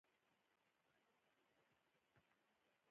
هڅه وکړئ، هر حرف له خپل مخرج او کلیمه واضیح تلفظ کړئ!